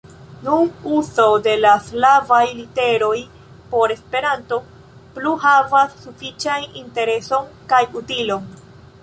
Nun, uzo de la slavaj literoj por Esperanto plu havas sufiĉajn intereson kaj utilon.